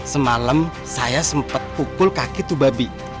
semalam saya sempet pukul kaki tuh babi